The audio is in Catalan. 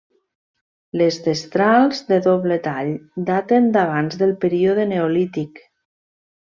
Les destrals de doble tall daten d'abans del període neolític.